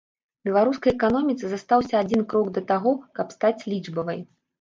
Беларускай эканоміцы застаўся адзін крок да таго, каб стаць лічбавай.